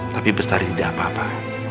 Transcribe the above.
tapi besar tidak apa apa